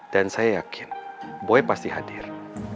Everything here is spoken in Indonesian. dan saya yakin boy pasti hadir